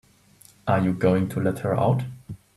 Are you going to let her out?